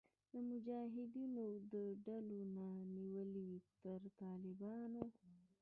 د مجاهدینو د ډلو نه نیولې تر طالبانو